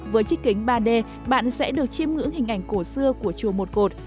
với chiếc kính ba d bạn sẽ được chiêm ngưỡng hình ảnh cổ xưa của chùa một cột